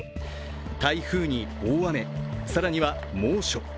台風に大雨、更には猛暑。